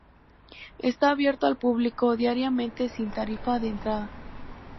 Está abierto al público diariamente sin tarifa de entrada.